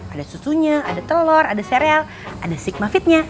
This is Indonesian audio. ada susunya ada telur ada sereal ada sigma fit nya